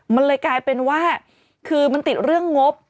มันเลยกลายเป็นว่าคือมันติดเรื่องงบ